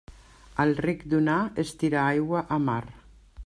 Al ric donar és tirar aigua a mar.